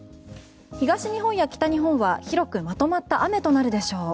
東日本や北日本は広くまとまった雨となるでしょう。